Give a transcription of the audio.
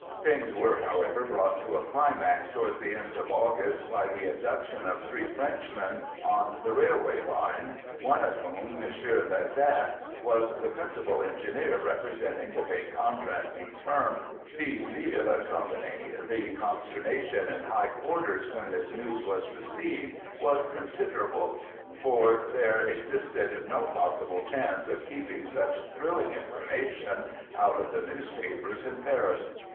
Things were, however, brought to a climax towards the end of August by the abduction of three Frenchmen on the railway line, one of whom, M. Vezin, was the principal engineer representing the big contracting firm, Fives Lille & Co. The consternation in high quarters when this news was received was considerable, for there existed no possible chance of keeping such thrilling information out of the newspapers in Paris.